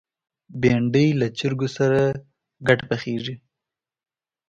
بېنډۍ له چرګو سره ګډ پخېږي